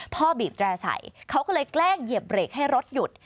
บีบแตร่ใส่เขาก็เลยแกล้งเหยียบเบรกให้รถหยุด